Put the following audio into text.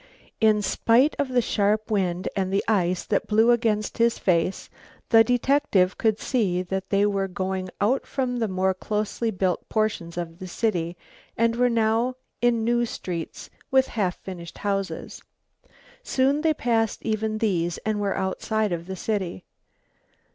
In spite of the sharp wind and the ice that blew against his face the detective could see that they were going out from the more closely built up portions of the city, and were now in new streets with half finished houses. Soon they passed even these and were outside of the city.